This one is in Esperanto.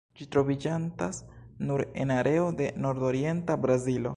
Ĝi troviĝantas nur en areo de nordorienta Brazilo.